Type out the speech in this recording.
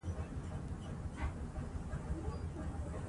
د قانون ماتول مشروع نه دي.